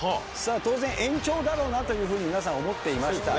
当然延長だろうなというふうに皆さん思っていました。